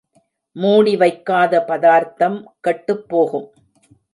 மூடிவைக்காத பதார்த்தம் கெட்டுப் போகும்.